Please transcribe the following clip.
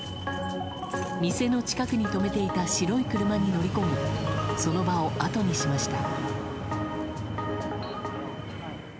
店の近くに止めていた白い車に乗り込みその場をあとにしました。